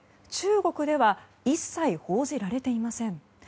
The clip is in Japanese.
中国では一切報じられていません。